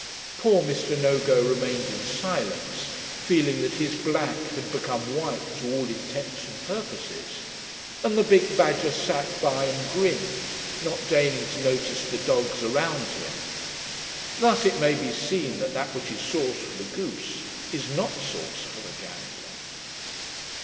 Poor Mr. Nogo remained in silence, feeling that his black had become white to all intents and purposes; and the big badger sat by and grinned, not deigning to notice the dogs around him. Thus it may be seen that that which is sauce for the goose is not sauce for the gander.